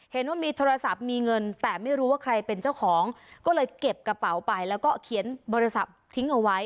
เห็นว่ามีโทรศัพท์มีเงินแต่ไม่รู้ว่าใครเป็นเจ้าของก็เลยเก็บกระเป๋าไปแล้วก็เขียนบริษัททิ้งเอาไว้